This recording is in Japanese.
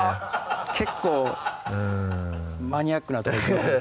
結構マニアックなとこいきますね